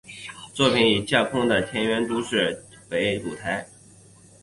作品以架空的田园都市千叶县的竹马市为舞台。